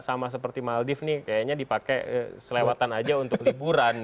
sama seperti maldive nih kayaknya dipakai selewatan aja untuk liburan